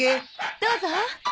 どうぞ。